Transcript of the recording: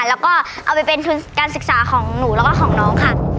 แล้วก็เอาไปเป็นทุนการศึกษาของหนูแล้วก็ของน้องค่ะ